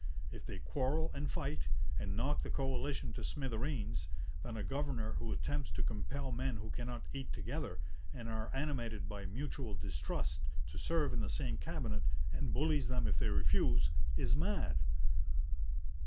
If they quarrel and fight, and knock the coalition to smithereens, then a governor who attempts to compel men who cannot eat together, and are animated by mutual distrust, to serve in the same Cabinet, and bullies them if they refuse, is mad.'